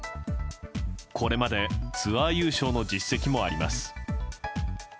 これまでツアー優勝の実績もあります。